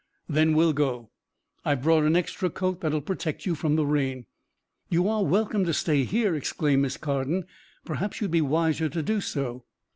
"Then we'll go. I've brought an extra coat that will protect you from the rain." "You are welcome to stay here!" exclaimed Miss Carden. "Perhaps you'd be wiser to do so."